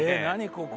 ここ。